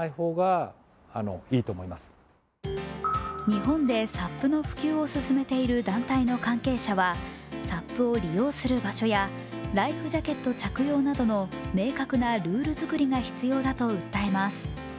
日本でＳＵＰの普及を進めている団体の関係者はＳＵＰを利用する場所やライフジャケット着用などの明確なルール作りが必要だと訴えます。